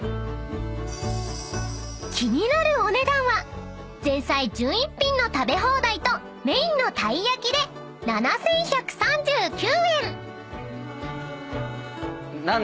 ［気になるお値段は前菜１１品の食べ放題とメインのたい焼きで７，１３９円］